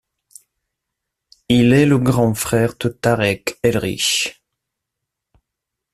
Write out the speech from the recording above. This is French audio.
Il est le grand frère de Tarek Elrich.